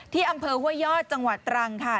ที่อำเภอห้วยยอดจังหวัดตรังค่ะ